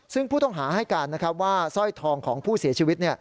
ซึ่งผู้ต้องหาให้การว่าสร้อยทองของผู้เสียชีวิต